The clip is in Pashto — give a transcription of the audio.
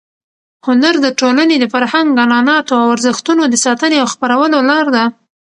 هنر د ټولنې د فرهنګ، عنعناتو او ارزښتونو د ساتنې او خپرولو لار ده.